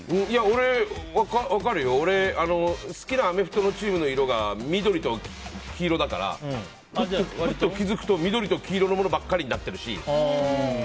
俺、好きなアメフトのチームの色が緑と黄色だから気づくと緑と黄色のものばっかりになってるし。